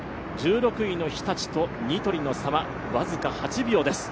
１６位の日立とニトリの差は僅か８秒です。